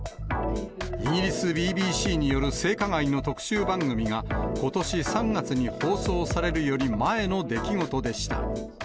イギリスＢＢＣによる性加害の特集番組が、ことし３月に放送されるより前の出来事でした。